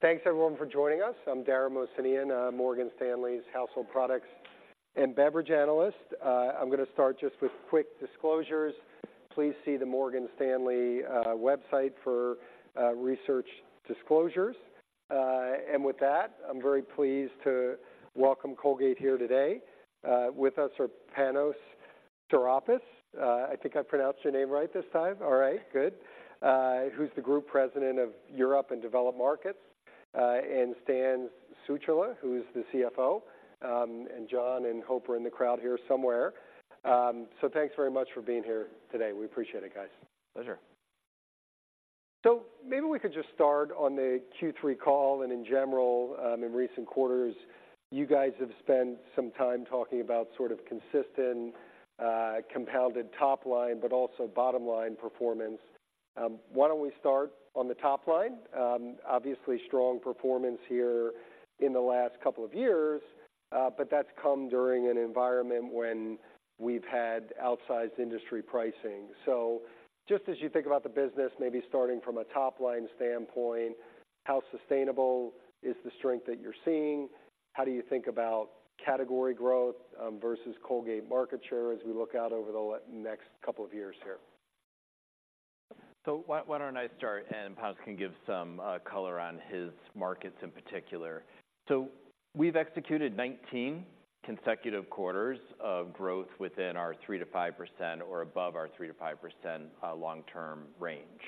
Thanks everyone for joining us. I'm Dara Mohsenian, Morgan Stanley's Household Products and Beverage Analyst. I'm gonna start just with uick disclosures. Please see the Morgan Stanley website for research disclosures. And with that, I'm very pleased to welcome Colgate here today. With us are Panos Tsourapas. I think I pronounced your name right this time. All right, good. Who's the Group President of Europe and Developing Markets, and Stan Sutula, who's the CFO. And John and Hope are in the crowd here somewhere. So thanks very much for being here today. We appreciate it, guys. Pleasure. So maybe we could just start on the third quarter call, and in general, in recent quarters, you guys have spent some time talking about sort of consistent, compounded top line, but also bottom line performance. Why don't we start on the top line? Obviously, strong performance here in the last couple of years, but that's come during an environment when we've had outsized industry pricing. So just as you think about the business, maybe starting from a top-line standpoint, how sustainable is the strength that you're seeing? How do you think about category growth, versus Colgate market share as we look out over the next couple of years here? So why, why don't I start? And Panos can give some color on his markets in particular. So we've executed 19 consecutive quarters of growth within our 3% to 5% or above our 3% to 5% long-term range.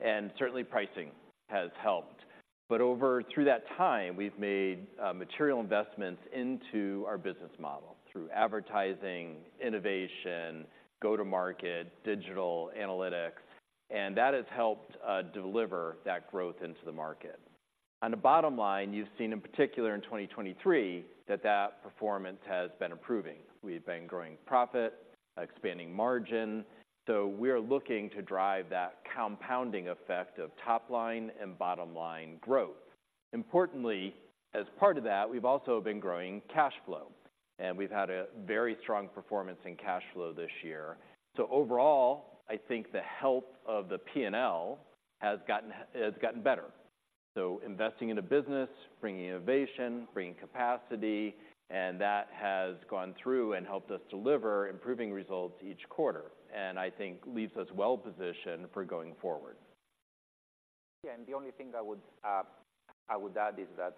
And certainly, pricing has helped. But over through that time, we've made material investments into our business model through advertising, innovation, go-to-market, digital analytics, and that has helped deliver that growth into the market. On the bottom line, you've seen, in particular in 2023, that that performance has been improving. We've been growing profit, expanding margin, so we are looking to drive that compounding effect of top line and bottom-line growth. Importantly, as part of that, we've also been growing cash flow, and we've had a very strong performance in cash flow this year. So overall, I think the health of the P&L has gotten better. So investing in a business, bringing innovation, bringing capacity, and that has gone through and helped us deliver improving results each quarter, and I think leaves us well positioned for going forward. Yeah, and the only thing I would, I would add is that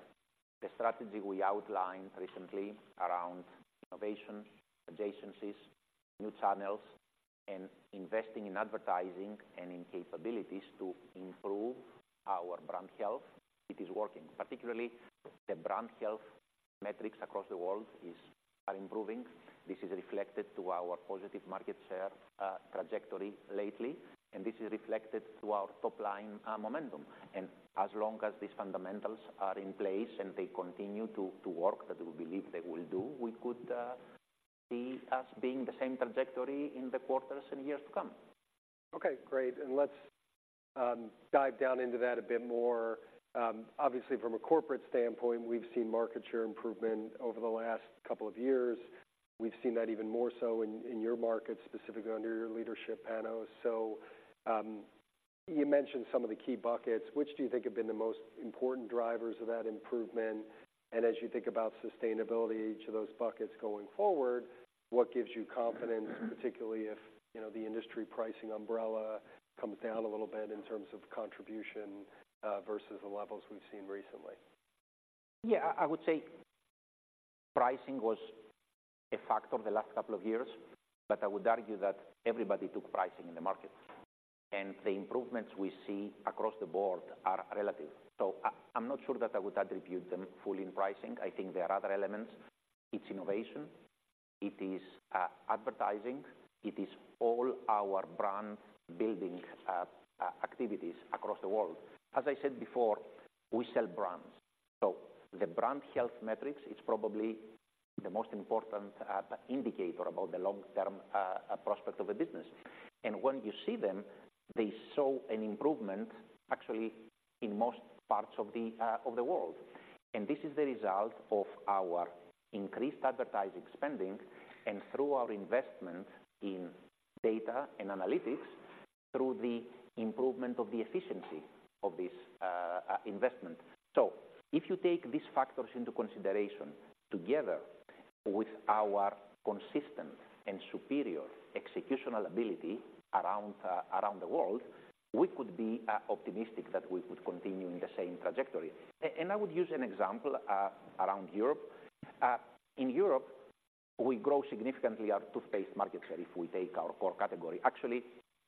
the strategy we outlined recently around innovation, adjacencies, new channels, and investing in advertising and in capabilities to improve our brand health, it is working. Particularly, the brand health metrics across the world is, are improving. This is reflected to our positive market share trajectory lately, and this is reflected to our top line momentum. And as long as these fundamentals are in place and they continue to, to work, that we believe they will do, we could, see us being the same trajectory in the quarters and years to come. Okay, great. And let's dive down into that a bit more. Obviously from a corporate standpoint, we've seen market share improvement over the last couple of years. We've seen that even more so in your market, specifically under your leadership, Panos. So you mentioned some of the key buckets. Which do you think have been the most important drivers of that improvement? And as you think about sustainability, each of those buckets going forward, what gives you confidence, particularly if, you know, the industry pricing umbrella comes down a little bit in terms of contribution versus the levels we've seen recently? Yeah, I would say pricing was a factor of the last couple of years, but I would argue that everybody took pricing in the market, and the improvements we see across the board are relative. So I'm not sure that I would attribute them fully in pricing. I think there are other elements. It's innovation, it is advertising, it is all our brand-building activities across the world. As I said before, we sell brands, so the brand health metrics is probably the most important indicator about the long-term prospect of a business. And when you see them, they show an improvement, actually, in most parts of the world. And this is the result of our increased advertising spending and through our investment in data and analytics, through the improvement of the efficiency of this investment. So, if you take these factors into consideration together with our consistent and superior executional ability around the world, we could be optimistic that we would continue in the same trajectory. And I would use an example around Europe. In Europe, we grow significantly our toothpaste market share if we take our core category. Actually,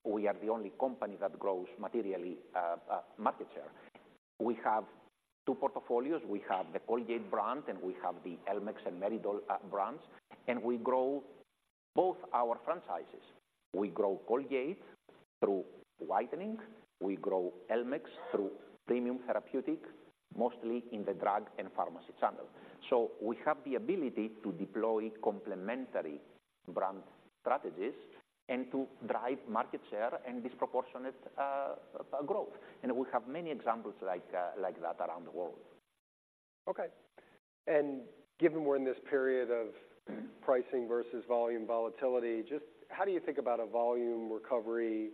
we are the only company that grows materially market share. We have two portfolios. We have the Colgate brand, and we have the Elmex and Meridol brands, and we grow both our franchises. We grow Colgate through whitening. We grow Elmex through premium therapeutic, mostly in the drug and pharmacy channel. So, we have the ability to deploy complementary brand strategies and to drive market share and disproportionate growth. And we have many examples like that around the world. Okay. And given we're in this period of pricing versus volume volatility, just how do you think about a volume recovery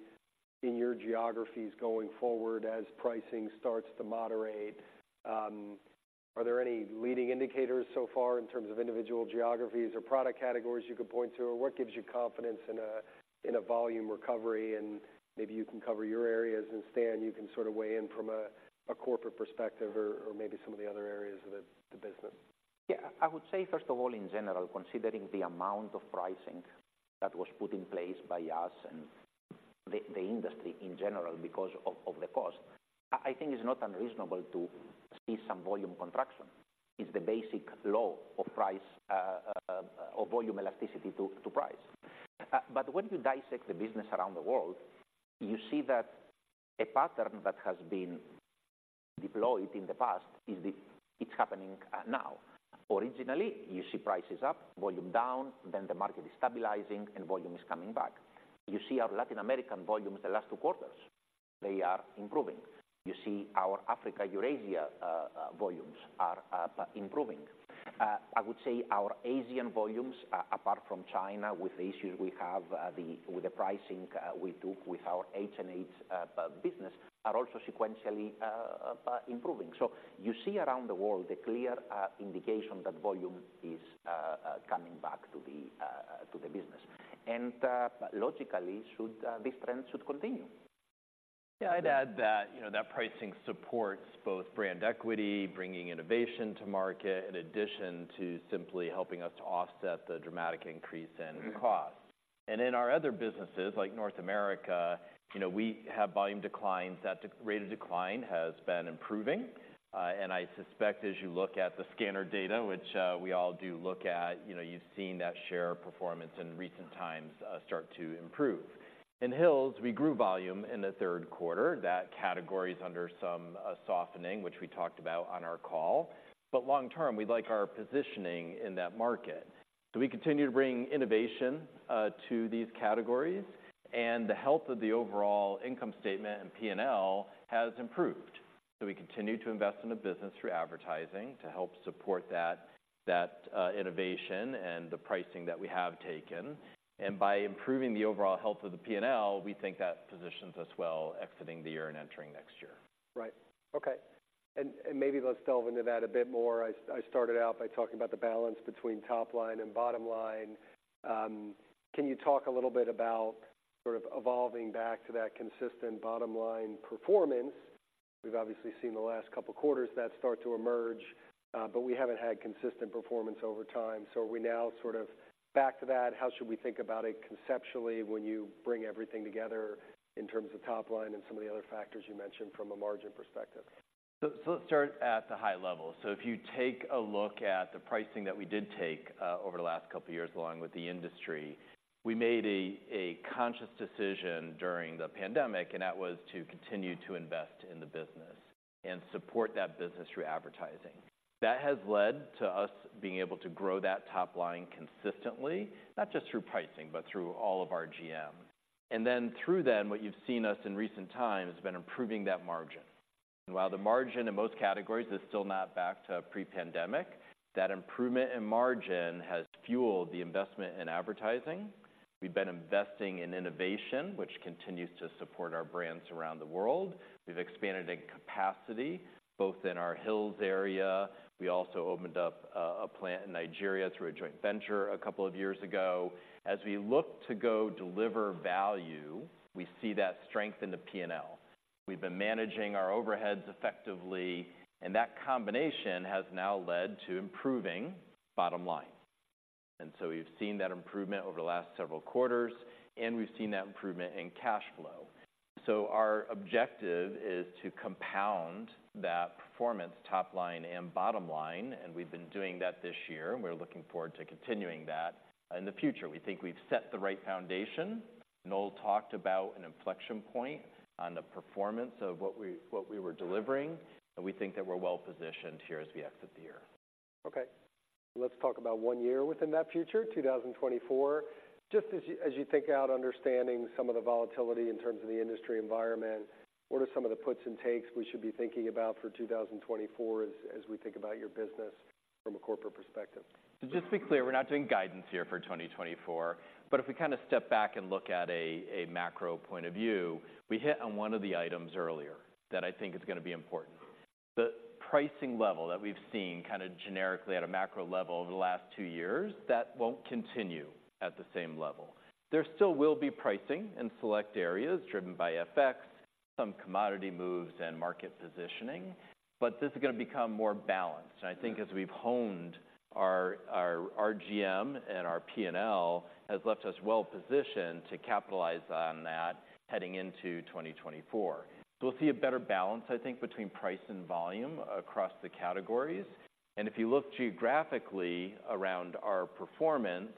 in your geographies going forward as pricing starts to moderate? Are there any leading indicators so far in terms of individual geographies or product categories you could point to? Or what gives you confidence in a volume recovery? And maybe you can cover your areas, and Stan, you can sort of weigh in from a corporate perspective or maybe some of the other areas of the business. Yeah, I would say, first of all, in general, considering the amount of pricing that was put in place by us and the industry in general because of the cost, I think it's not unreasonable to see some volume contraction. It's the basic law of price of volume elasticity to price. But when you dissect the business around the world, you see that a pattern that has been deployed in the past is it's happening now. Originally, you see prices up, volume down, then the market is stabilizing, and volume is coming back. You see our Latin American volumes the last two quarters, they are improving. You see our Africa/Eurasia volumes are improving. I would say our Asian volumes, apart from China, with the issues we have with the pricing we do with our H&H business, are also sequentially improving. So you see around the world a clear indication that volume is coming back to the business. And logically, this trend should continue. Yeah, I'd add that, you know, that pricing supports both brand equity, bringing innovation to market, in addition to simply helping us to offset the dramatic increase in cost. And in our other businesses, like North America, you know, we have volume declines. That rate of decline has been improving, and I suspect as you look at the scanner data, which we all do look at, you know, you've seen that share performance in recent times start to improve. In Hill's, we grew volume in the third quarter. That category is under some softening, which we talked about on our call, but long term, we like our positioning in that market. So, we continue to bring innovation to these categories, and the health of the overall income statement and P&L has improved. We continue to invest in the business through advertising to help support that innovation and the pricing that we have taken. And by improving the overall health of the P&L, we think that positions us well exiting the year and entering next year. Right. Okay, and maybe let's delve into that a bit more. I started out by talking about the balance between top line and bottom line. Can you talk a little bit about sort of evolving back to that consistent bottom line performance? We've obviously seen the last couple quarters that start to emerge, but we haven't had consistent performance over time. So, are we now sort of back to that? How should we think about it conceptually, when you bring everything together in terms of top line and some of the other factors you mentioned from a margin perspective? So let's start at the high level. So if you take a look at the pricing that we did take over the last couple of years, along with the industry, we made a conscious decision during the pandemic, and that was to continue to invest in the business and support that business through advertising. That has led to us being able to grow that top line consistently, not just through pricing, but through all of our GM. And then, what you've seen us in recent times been improving that margin. While the margin in most categories is still not back to pre-pandemic, that improvement in margin has fueled the investment in advertising. We've been investing in innovation, which continues to support our brands around the world. We've expanded in capacity, both in our Hill's area. We also opened up a plant in Nigeria through a joint venture a couple of years ago. As we look to go deliver value, we see that strength in the P&L. We've been managing our overheads effectively, and that combination has now led to improving bottom line. And so, we've seen that improvement over the last several quarters, and we've seen that improvement in cash flow. So, our objective is to compound that performance, top line and bottom line, and we've been doing that this year, and we're looking forward to continuing that in the future. We think we've set the right foundation. Noel talked about an inflection point on the performance of what we were delivering, and we think that we're well positioned here as we exit the year. Okay, let's talk about one year within that future, 2024. Just as you think out, understanding some of the volatility in terms of the industry environment, what are some of the puts and takes we should be thinking about for 2024 as we think about your business from a corporate perspective? So just to be clear, we're not doing guidance here for 2024, but if we kind of step back and look at a macro point of view, we hit on one of the items earlier that I think is going to be important. The pricing level that we've seen kind of generically at a macro level over the last two years, that won't continue at the same level. There still will be pricing in select areas driven by FX, some commodity moves, and market positioning, but this is going to become more balanced. And I think as we've honed our RGM and our P&L, has left us well positioned to capitalize on that heading into 2024. So, we'll see a better balance, I think, between price and volume across the categories. If you look geographically around our performance,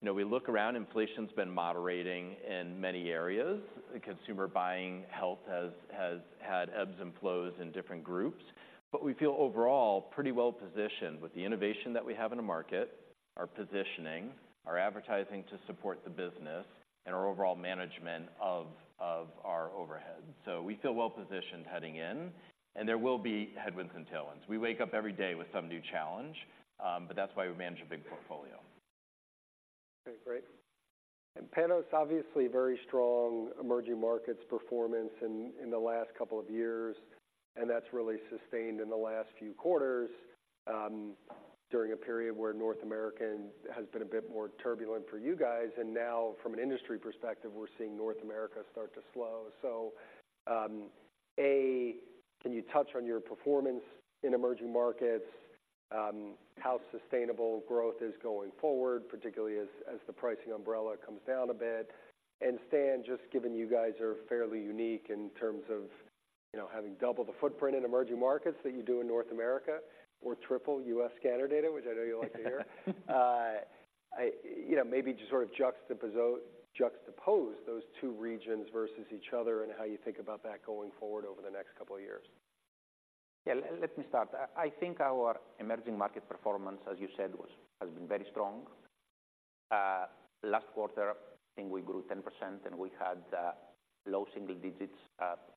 you know, we look around, inflation's been moderating in many areas. The consumer buying health has had ebbs and flows in different groups, but we feel overall pretty well positioned with the innovation that we have in the market, our positioning, our advertising to support the business, and our overall management of our overhead. So, we feel well positioned heading in, and there will be headwinds and tailwinds. We wake up every day with some new challenge, but that's why we manage a big portfolio. Okay, great. And Panos, obviously, very strong emerging markets performance in the last couple of years, and that's really sustained in the last few quarters, during a period where North America has been a bit more turbulent for you guys. And now, from an industry perspective, we're seeing North America start to slow. So, A, can you touch on your performance in emerging markets? How sustainable growth is going forward, particularly as the pricing umbrella comes down a bit. And Stan, just given you guys are fairly unique in terms of, you know, having double the footprint in emerging markets that you do in North America, or triple US scanner data, which I know you like to hear. You know, maybe just sort of juxtapose those two regions versus each other and how you think about that going forward over the next couple of years. Yeah, let me start. I think our emerging market performance, as you said, has been very strong. Last quarter, I think we grew 10%, and we had low single digits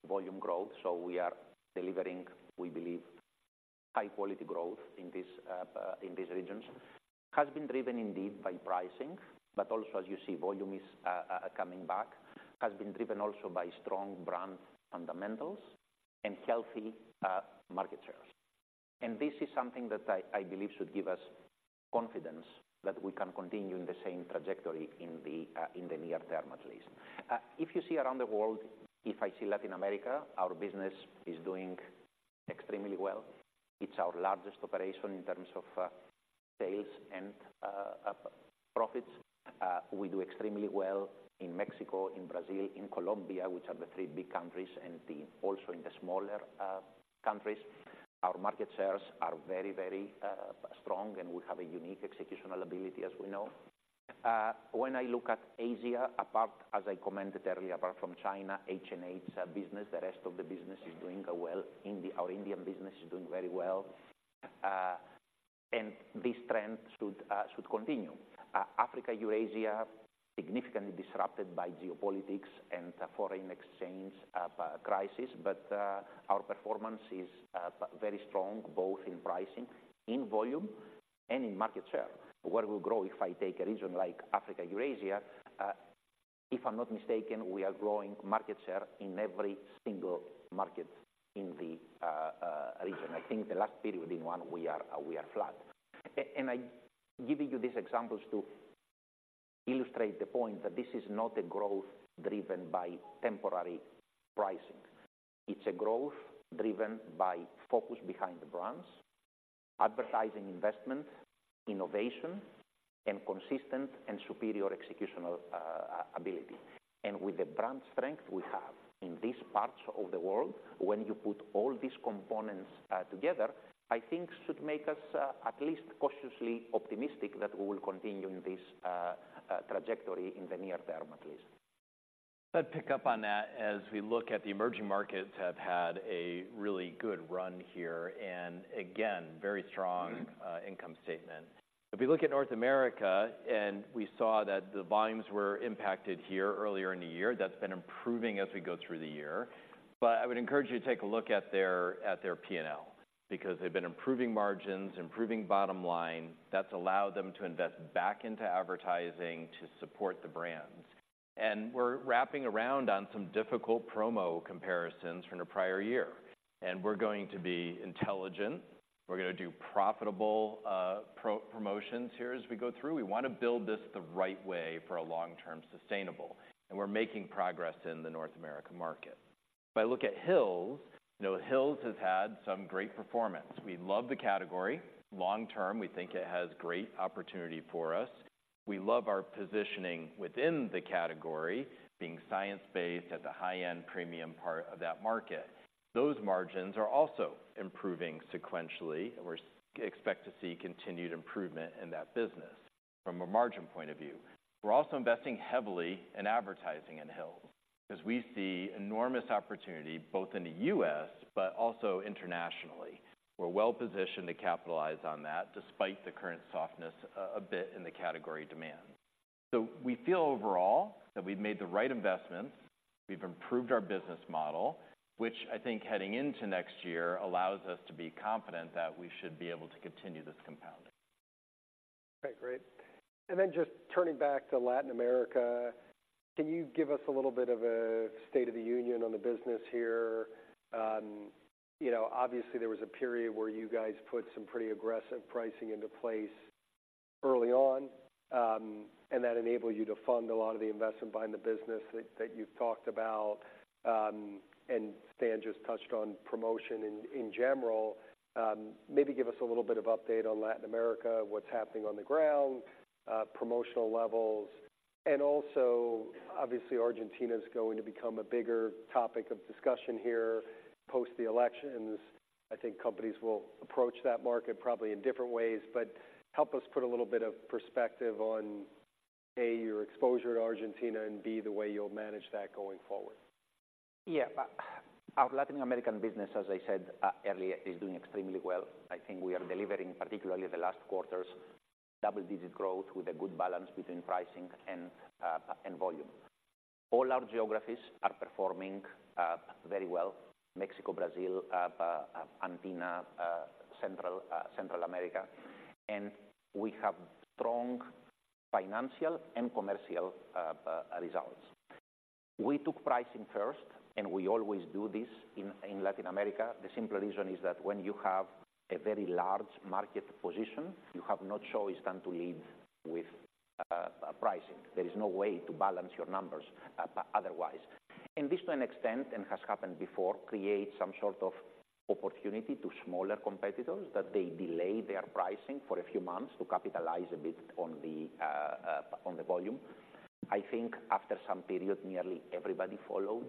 volume growth, so we are delivering, we believe, high quality growth in these regions. Has been driven indeed by pricing, but also as you see, volume is coming back, has been driven also by strong brand fundamentals and healthy market shares. And this is something that I believe should give us confidence that we can continue in the same trajectory in the near term, at least. If you see around the world, if I see Latin America, our business is doing extremely well. It's our largest operation in terms of sales and profits. We do extremely well in Mexico, in Brazil, in Colombia, which are the three big countries, and also in the smaller countries. Our market shares are very, very strong, and we have a unique executional ability, as we know. When I look at Asia, apart, as I commented earlier, apart from China, H&H's business, the rest of the business is doing well. India—our Indian business is doing very well, and this trend should, should continue. Africa, Eurasia, significantly disrupted by geopolitics and foreign exchange crisis, but our performance is very strong, both in pricing, in volume, and in market share, where we grow. If I take a region like Africa, Eurasia, if I'm not mistaken, we are growing market share in every single market in the region. I think the last period being one we are flat. And I'm giving you these examples to illustrate the point that this is not a growth driven by temporary pricing. It's a growth driven by focus behind the brands, advertising investment, innovation, and consistent and superior executional ability. And with the brand strength we have in these parts of the world, when you put all these components together, I think should make us at least cautiously optimistic that we will continue in this trajectory in the near term, at least. I'd pick up on that. As we look at the emerging markets, have had a really good run here, and again, very strong... Mm-hmm Income statement. If you look at North America, and we saw that the volumes were impacted here earlier in the year, that's been improving as we go through the year. But I would encourage you to take a look at their P&L, because they've been improving margins, improving bottom line. That's allowed them to invest back into advertising to support the brands. And we're wrapping around on some difficult promo comparisons from the prior year. And we're going to be intelligent. We're gonna do profitable promotions here as we go through. We want to build this the right way for a long-term sustainable, and we're making progress in the North America market. If I look at Hill's, you know, Hill's has had some great performance. We love the category. Long-term, we think it has great opportunity for us. We love our positioning within the category, being science-based at the high-end premium part of that market. Those margins are also improving sequentially, and we're expect to see continued improvement in that business from a margin point of view. We're also investing heavily in advertising in Hill's, 'cause we see enormous opportunity both in the US, but also internationally. We're well positioned to capitalize on that, despite the current softness, a bit in the category demand. So, we feel overall that we've made the right investments. We've improved our business model, which I think heading into next year, allows us to be confident that we should be able to continue this compounding. Okay, great. And then just turning back to Latin America, can you give us a little bit of a State of the Union on the business here? You know, obviously there was a period where you guys put some pretty aggressive pricing into place early on, and that enabled you to fund a lot of the investment behind the business that, that you've talked about. And Stan just touched on promotion in, in general. Maybe give us a little bit of update on Latin America, what's happening on the ground, promotional levels. And also, obviously, Argentina is going to become a bigger topic of discussion here post the elections. I think companies will approach that market probably in different ways but help us put a little bit of perspective on, A, your exposure to Argentina, and B, the way you'll manage that going forward. Yeah. Our Latin American business, as I said earlier, is doing extremely well. I think we are delivering, particularly the last quarters, double-digit growth with a good balance between pricing and volume. All our geographies are performing very well. Mexico, Brazil, Argentina, Central America, and we have strong financial and commercial results. We took pricing first, and we always do this in Latin America. The simple reason is that when you have a very large market position, you have no choice than to lead with pricing. There is no way to balance your numbers otherwise. And this, to an extent, has happened before, creates some sort of opportunity to smaller competitors, that they delay their pricing for a few months to capitalize a bit on the volume. I think after some period, nearly everybody followed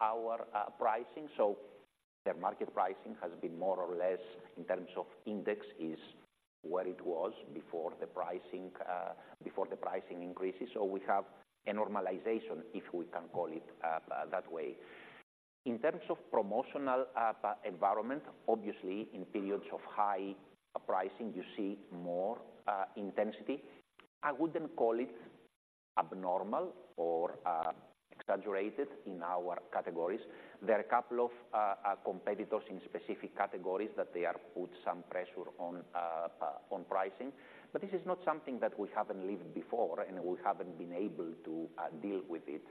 our pricing. So their market pricing has been more or less in terms of index, is where it was before the pricing increases. So we have a normalization, if we can call it that way. In terms of promotional environment, obviously, in periods of high pricing, you see more intensity. I wouldn't call it abnormal or exaggerated in our categories. There are a couple of competitors in specific categories that they have put some pressure on pricing, but this is not something that we haven't lived before and we haven't been able to deal with it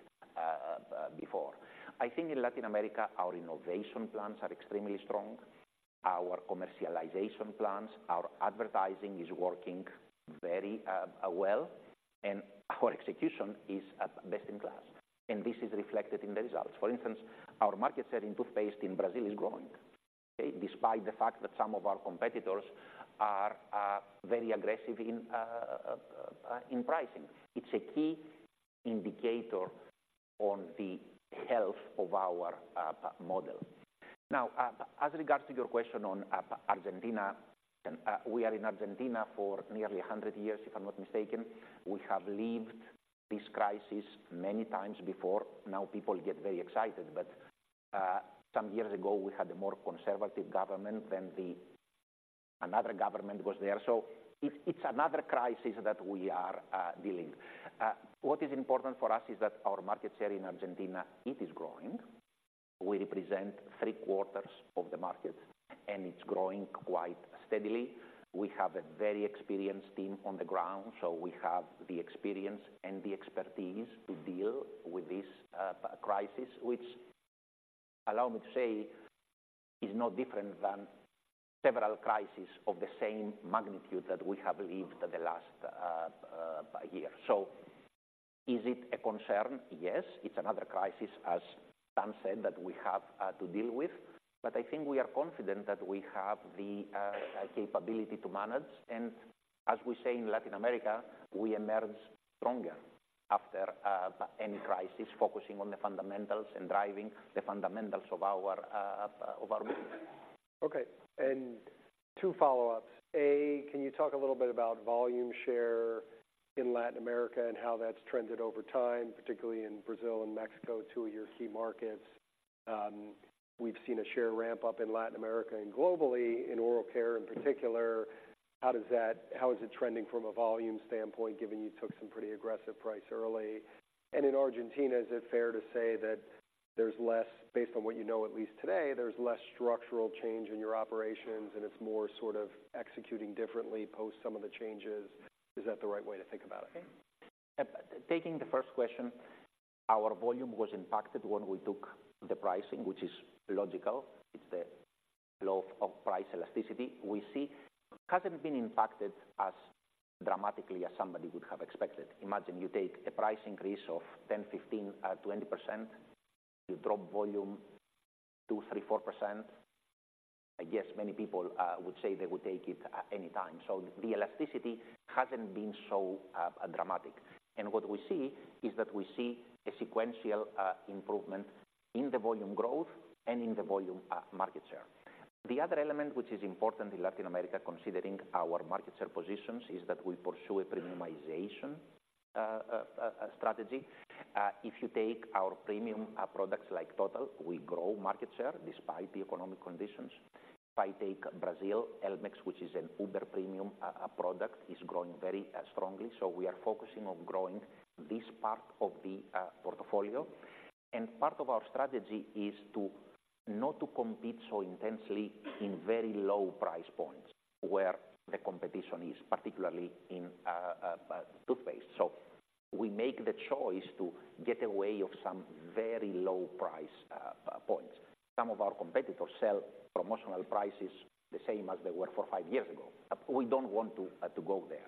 before. I think in Latin America, our innovation plans are extremely strong. Our commercialization plans, our advertising is working very well, and our execution is at best in class, and this is reflected in the results. For instance, our market share in toothpaste in Brazil is growing, okay? Despite the fact that some of our competitors are very aggressive in pricing. It's a key indicator on the health of our model. Now, as regards to your question on Argentina, we are in Argentina for nearly 100 years, if I'm not mistaken. We have lived this crisis many times before. Now, people get very excited, but some years ago we had a more conservative government than the... Another government was there. So, it's another crisis that we are dealing. What is important for us is that our market share in Argentina, it is growing. We represent three quarters of the market, and it's growing quite steadily. We have a very experienced team on the ground, so we have the experience and the expertise to deal with this crisis, which, allow me to say, is no different than several crises of the same magnitude that we have lived the last year. So, is it a concern? Yes, it's another crisis, as Stan said, that we have to deal with, but I think we are confident that we have the capability to manage. And as we say in Latin America, we emerge stronger after any crisis, focusing on the fundamentals and driving the fundamentals of our... of our business. Okay, and two follow-ups. A, can you talk a little bit about volume share in Latin America and how that's trended over time, particularly in Brazil and Mexico, two of your key markets? We've seen a share ramp up in Latin America and globally in oral care in particular. How does that-- How is it trending from a volume standpoint, given you took some pretty aggressive price early? And in Argentina, is it fair to say that there's less, based on what you know, at least today, there's less structural change in your operations, and it's more sort of executing differently post some of the changes? Is that the right way to think about it? Taking the first question, our volume was impacted when we took the pricing, which is logical. It's the law of price elasticity we see. It hasn't been impacted as dramatically as somebody would have expected. Imagine you take a price increase of 10, 15, 20%, you drop volume 2, 3, 4%. I guess many people would say they would take it at any time. So the elasticity hasn't been so dramatic. And what we see is that we see a sequential improvement in the volume growth and in the volume market share. The other element, which is important in Latin America, considering our market share positions, is that we pursue a premiumization strategy. If you take our premium products like Total, we grow market share despite the economic conditions. If I take Brazil, Elmex, which is an uber premium product, is growing very strongly. So we are focusing on growing this part of the portfolio. And part of our strategy is to not to compete so intensely in very low price points where the competition is, particularly in toothpaste. So we make the choice to get away of some very low price points. Some of our competitors sell promotional prices the same as they were for five years ago. We don't want to go there.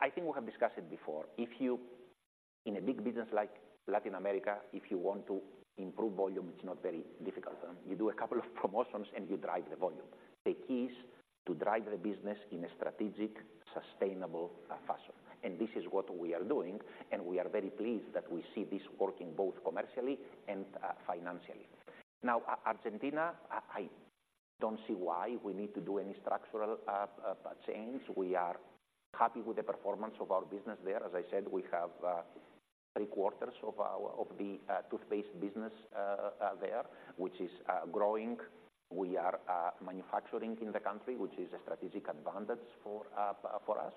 I think we have discussed it before. If you, in a big business like Latin America, if you want to improve volume, it's not very difficult. You do a couple of promotions, and you drive the volume. The key is to drive the business in a strategic, sustainable fashion. This is what we are doing, and we are very pleased that we see this working both commercially and financially. Now, Argentina, I don't see why we need to do any structural change. We are happy with the performance of our business there. As I said, we have three quarters of our toothpaste business there, which is growing. We are manufacturing in the country, which is a strategic advantage for us.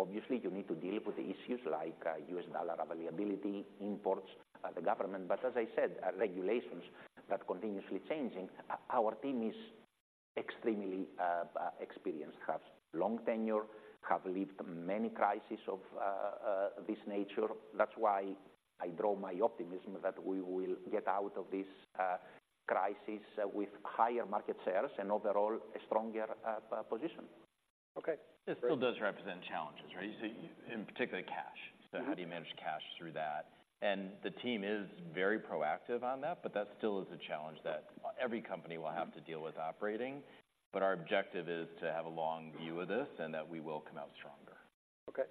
Obviously, you need to deal with the issues like US dollar availability, imports, the government. But as I said, regulations that continuously changing, our team is extremely experienced, has long tenure, have lived many crises of this nature. That's why I draw my optimism that we will get out of this crisis with higher market shares and overall, a stronger position. Okay. It still does represent challenges, right? So in particular, cash. Mm-hmm. So how do you manage cash through that? And the team is very proactive on that, but that still is a challenge that every company will have... Mm-hmm To deal with operating. But our objective is to have a long view of this and that we will come out stronger. Okay.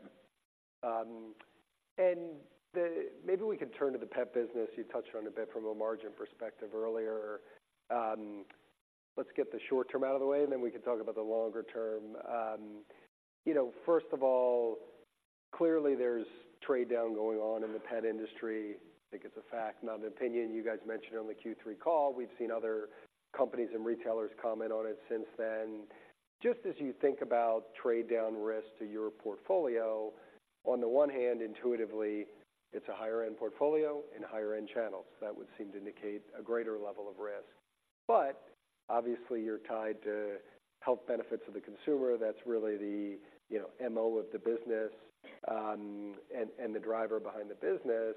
And maybe we can turn to the pet business. You touched on it a bit from a margin perspective earlier. Let's get the short term out of the way, and then we can talk about the longer term. You know, first of all, clearly there's trade-down going on in the pet industry. I think it's a fact, not an opinion. You guys mentioned on the third quarter call. We've seen other companies and retailers comment on it since then. Just as you think about trade-down risk to your portfolio, on the one hand, intuitively, it's a higher-end portfolio and higher-end channels that would seem to indicate a greater level of risk. But obviously, you're tied to health benefits of the consumer. That's really the, you know, MO of the business, and the driver behind the business.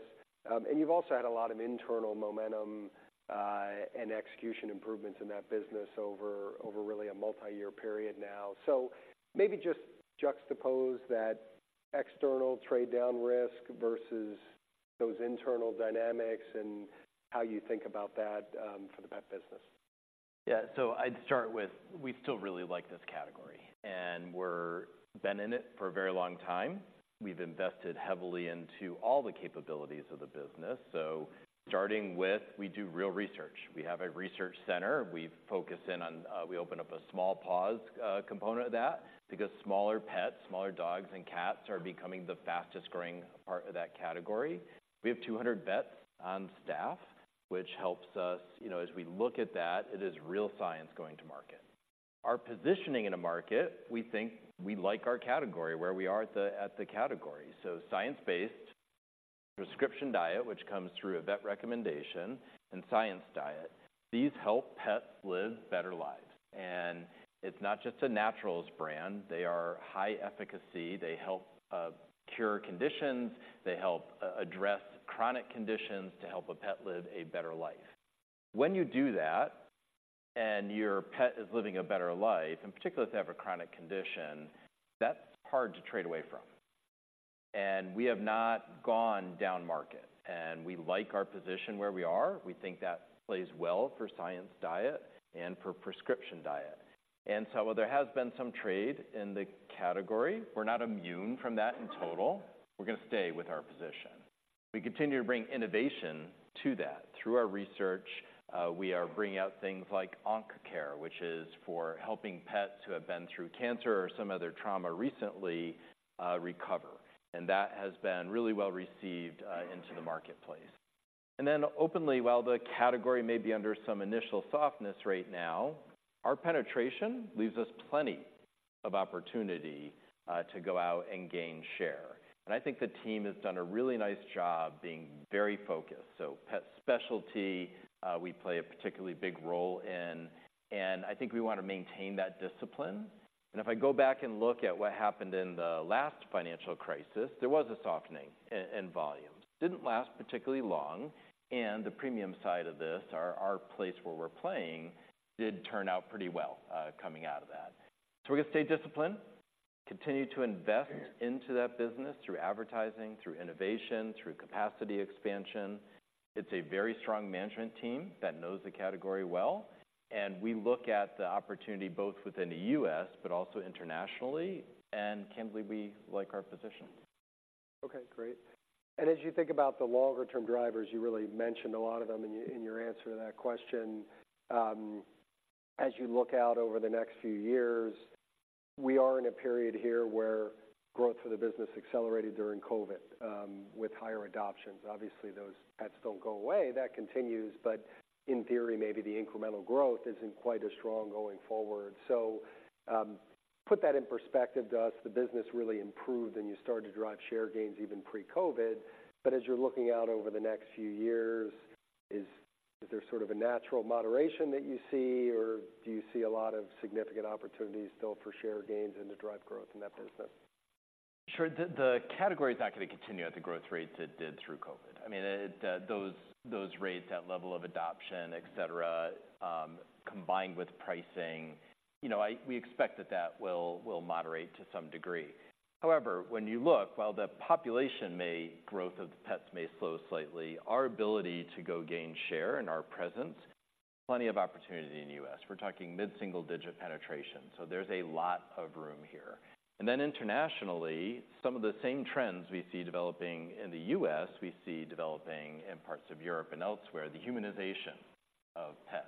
You've also had a lot of internal momentum, and execution improvements in that business over really a multi-year period now. So maybe just juxtapose that external trade-down risk versus those internal dynamics and how you think about that for the pet business. Yeah. So, I'd start with, we still really like this category, and we're been in it for a very long time. We've invested heavily into all the capabilities of the business. So, starting with, we do real research. We have a research center. We focus in on, we open up a Small Paws component of that because smaller pets, smaller dogs and cats, are becoming the fastest-growing part of that category. We have 200 vets on staff, which helps us, you know, as we look at that, it is real science going to market. Our positioning in a market, we think we like our category, where we are at the, at the category. So, science-based Prescription Diet, which comes through a vet recommendation and Science Diet. These help pets live better lives. And it's not just a naturals brand. They are high efficacy. They help cure conditions; they help address chronic conditions to help a pet live a better life. When you do that, and your pet is living a better life, in particular, if they have a chronic condition, that's hard to trade away from. And we have not gone down market, and we like our position where we are. We think that plays well for Science Diet and for Prescription Diet. And so, while there has been some trade in the category, we're not immune from that in total, we're going to stay with our position. We continue to bring innovation to that. Through our research, we are bringing out things like ONC Care, which is for helping pets who have been through cancer or some other trauma recently, recover. And that has been really well received into the marketplace. And then openly, while the category may be under some initial softness right now, our penetration leaves us plenty of opportunity to go out and gain share. I think the team has done a really nice job being very focused. Pet specialty, we play a particularly big role in, and I think we want to maintain that discipline. And if I go back and look at what happened in the last financial crisis, there was a softening in volumes. Didn't last particularly long, and the premium side of this, our place where we're playing, did turn out pretty well coming out of that. We're going to stay disciplined, continue to invest into that business through advertising, through innovation, through capacity expansion. It's a very strong management team that knows the category well, and we look at the opportunity both within the US, but also internationally, and candidly, we like our position. Okay, great. And as you think about the longer-term drivers, you really mentioned a lot of them in your answer to that question. As you look out over the next few years, we are in a period here where growth of the business accelerated during COVID, with higher adoptions. Obviously, those pets don't go away, that continues, but in theory, maybe the incremental growth isn't quite as strong going forward. So, put that in perspective, does the business really improved and you start to drive share gains even pre-COVID? But as you're looking out over the next few years, is there sort of a natural moderation that you see, or do you see a lot of significant opportunities still for share gains and to drive growth in that business? Sure. The category is not going to continue at the growth rate it did through COVID. I mean, those rates, that level of adoption, et cetera, combined with pricing, you know, we expect that will moderate to some degree. However, when you look, while the population growth of the pets may slow slightly, our ability to gain share and our presence, plenty of opportunity in the US We're talking mid-single-digit penetration, so there's a lot of room here. And then internationally, some of the same trends we see developing in the US, we see developing in parts of Europe and elsewhere, the humanization of pets.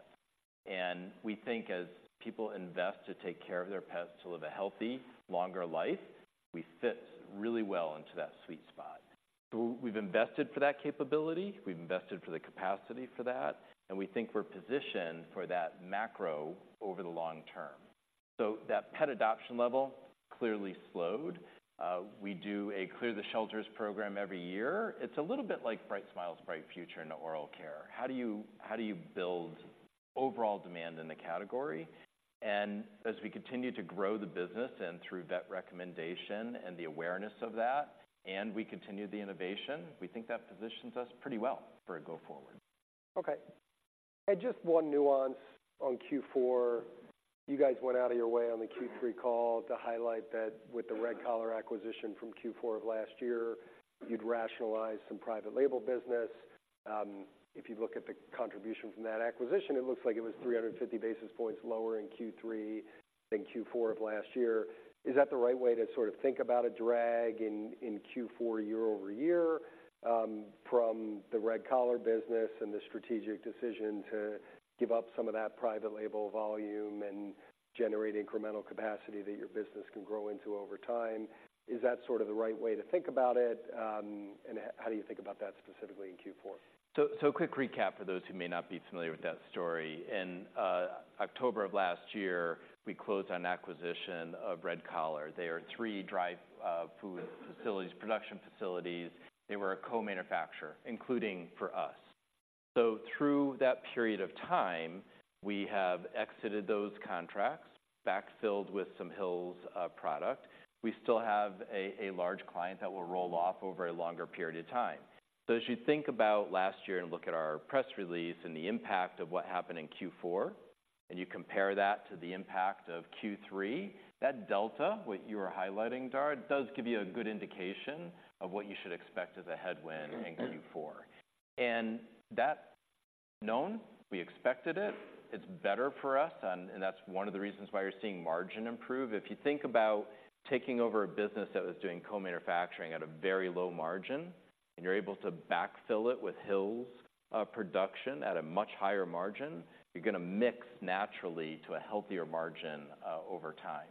And we think as people invest to take care of their pets, to live a healthy, longer life, we fit really well into that sweet spot. So, we've invested for that capability, we've invested for the capacity for that, and we think we're positioned for that macro over the long term. So that pet adoption level clearly slowed. We do a Clear the Shelters program every year. It's a little bit like Bright Smiles, Bright Futures in oral care. How do you, how do you build overall demand in the category? And as we continue to grow the business and through vet recommendation and the awareness of that, and we continue the innovation, we think that positions us pretty well for a go forward. Okay. And just one nuance on fourth quarter. You guys went out of your way on the third quarter call to highlight that with the Red Collar acquisition from fourth quarter of last year, you'd rationalize some private label business. If you look at the contribution from that acquisition, it looks like it was 350 basis points lower in third quarter than fourth quarter of last year. Is that the right way to sort of think about a drag in fourth quarter year-over-year from the Red Collar business and the strategic decision to give up some of that private label volume and generate incremental capacity that your business can grow into over time? Is that sort of the right way to think about it? And how do you think about that specifically in fourth quarter? So, a quick recap for those who may not be familiar with that story. In October of last year, we closed on acquisition of Red Collar. They are three dry food facilities, production facilities. They were a co-manufacturer, including for us. So through that period of time, we have exited those contracts, backfilled with some Hill's product. We still have a large client that will roll off over a longer period of time. So as you think about last year and look at our press release and the impact of what happened in fourth quarter, and you compare that to the impact of third quarter, that delta, what you are highlighting, Dar, does give you a good indication of what you should expect as a headwind in fourth quarter. And that's known, we expected it. It's better for us, and that's one of the reasons why you're seeing margin improve. If you think about taking over a business that was doing co-manufacturing at a very low margin, and you're able to backfill it with Hill's production at a much higher margin, you're gonna mix naturally to a healthier margin, over time.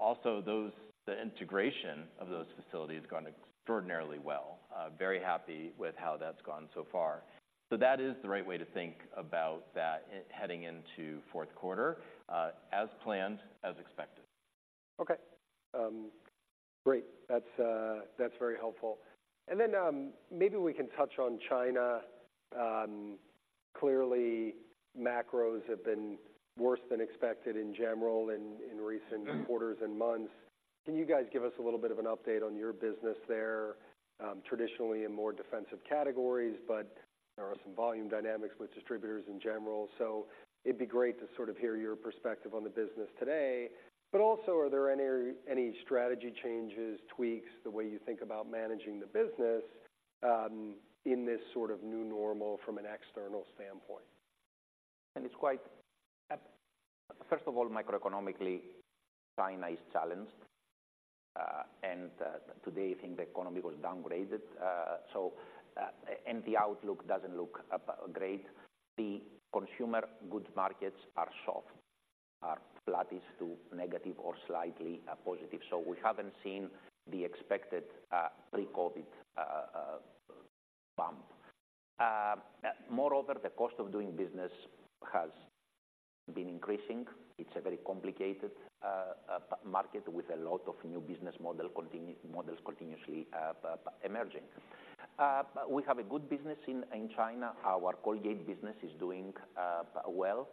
Also, those, the integration of those facilities has gone extraordinarily well. Very happy with how that's gone so far. So that is the right way to think about that heading into fourth quarter, as planned, as expected. Okay. Great. That's, that's very helpful. And then, maybe we can touch on China. Clearly, macros have been worse than expected in general in recent quarters and months. Can you guys give us a little bit of an update on your business there? Traditionally in more defensive categories, but there are some volume dynamics with distributors in general. So, it'd be great to sort of hear your perspective on the business today. But also, are there any strategy changes, tweaks, the way you think about managing the business, in this sort of new normal from an external standpoint? First of all, microeconomically, China is challenged, and today, I think the economy was downgraded. So, the outlook doesn't look great. The consumer goods markets are soft, flattish to negative or slightly positive. So we haven't seen the expected pre-COVID bump. Moreover, the cost of doing business has been increasing. It's a very complicated market with a lot of new business models continuously emerging. We have a good business in China. Our Colgate business is doing well.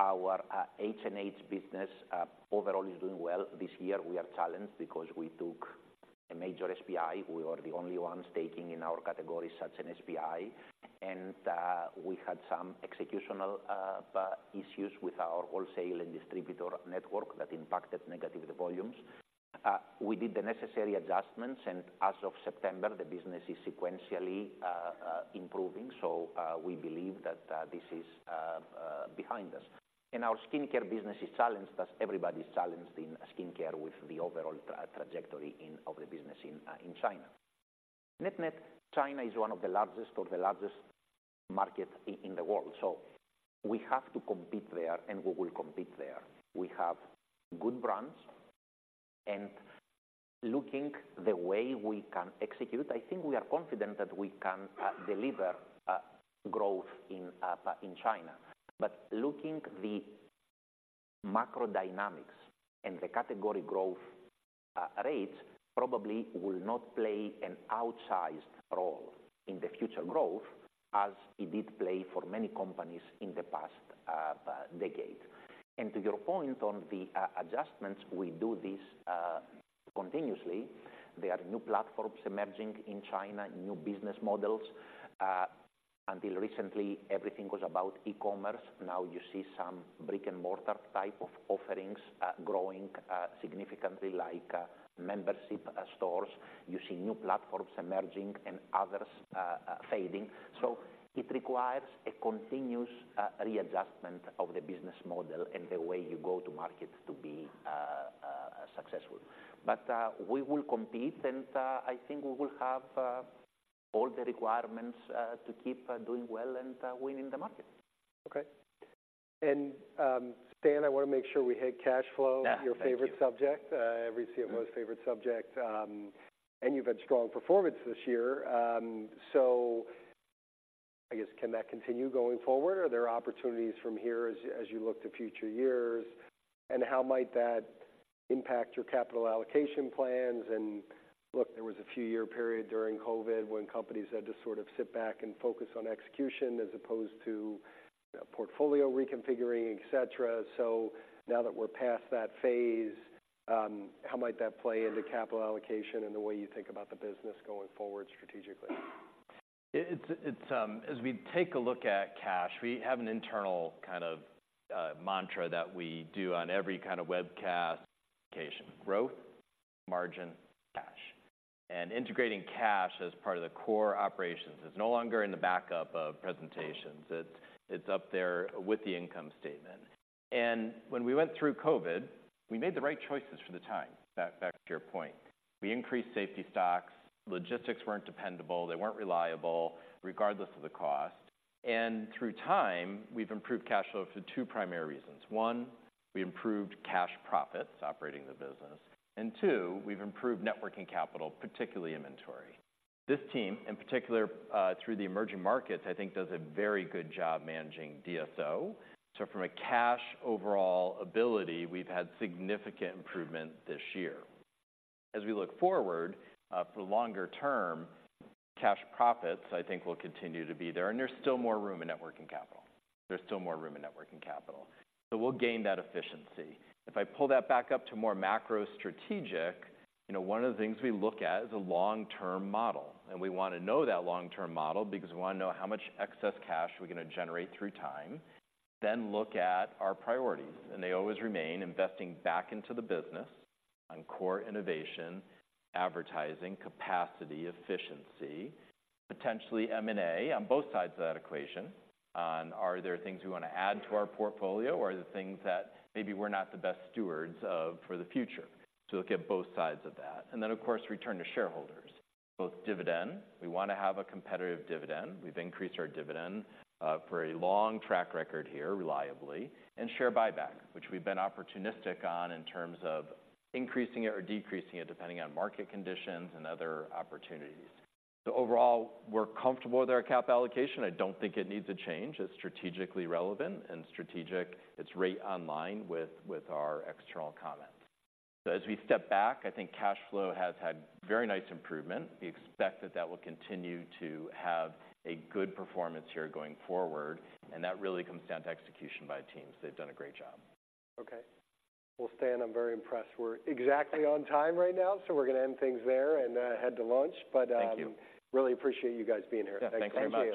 Our H&H business overall is doing well. This year, we are challenged because we took a major SPI. We were the only ones taking in our category, such an SPI, and we had some executional issues with our wholesale and distributor network that impacted negatively the volumes. We did the necessary adjustments, and as of September, the business is sequentially improving. So, we believe that this is behind us. And our skincare business is challenged, as everybody is challenged in skincare, with the overall trajectory of the business in China. Net net, China is one of the largest, or the largest market in the world, so we have to compete there, and we will compete there. We have good brands, and looking the way we can execute, I think we are confident that we can deliver growth in China. But looking the macro dynamics and the category growth rates probably will not play an outsized role in the future growth as it did play for many companies in the past decade. And to your point on the adjustments, we do this continuously. There are new platforms emerging in China, new business models. Until recently, everything was about e-commerce. Now you see some brick-and-mortar type of offerings growing significantly, like membership stores. You see new platforms emerging and others fading. So, it requires a continuous readjustment of the business model and the way you go to market to be successful. But we will compete, and I think we will have all the requirements to keep doing well and winning the market. Okay. And, Stan, I wanna make sure we hit cash flow... Yeah, thank you. Your favorite subject, every CMO's favorite subject. And you've had strong performance this year. So I guess, can that continue going forward? Are there opportunities from here as you, as you look to future years, and how might that impact your capital allocation plans? And look, there was a few year period during COVID when companies had to sort of sit back and focus on execution, as opposed to portfolio reconfiguring, et cetera. So now that we're past that phase, how might that play into capital allocation and the way you think about the business going forward strategically? It's... As we take a look at cash, we have an internal kind of mantra that we do on every kind of webcast communication: growth, margin, cash. And integrating cash as part of the core operations is no longer in the backup of presentations. It's up there with the income statement. And when we went through COVID, we made the right choices for the time. Back to your point, we increased safety stocks. Logistics weren't dependable, they weren't reliable, regardless of the cost. And through time, we've improved cash flow for two primary reasons. One, we improved cash profits operating the business, and two, we've improved net working capital, particularly inventory. This team, in particular, through the emerging markets, I think, does a very good job managing DSO. So, from a cash overall ability, we've had significant improvement this year. As we look forward for longer term, cash profits, I think, will continue to be there, and there's still more room in working capital. There's still more room in working capital, so we'll gain that efficiency. If I pull that back up to more macro strategic, you know, one of the things we look at is a long-term model, and we wanna know that long-term model because we wanna know how much excess cash we're gonna generate through time. Then look at our priorities, and they always remain investing back into the business on core innovation, advertising, capacity, efficiency, potentially M&A on both sides of that equation. On, are there things we wanna add to our portfolio, or are there things that maybe we're not the best stewards of for the future? So, we'll look at both sides of that. And then, of course, return to shareholders, both dividend. We wanna have a competitive dividend. We've increased our dividend for a long track record here, reliably, and share buyback, which we've been opportunistic on in terms of increasing it or decreasing it, depending on market conditions and other opportunities. So overall, we're comfortable with our cap allocation. I don't think it needs a change. It's strategically relevant and strategic. It's right online with our external comments. So, as we step back, I think cash flow has had very nice improvement. We expect that will continue to have a good performance here going forward, and that really comes down to execution by teams. They've done a great job. Okay. Well, Stan, I'm very impressed. We're exactly on time right now, so we're gonna end things there and head to lunch. But... Thank you. Really appreciate you guys being here. Thanks very much.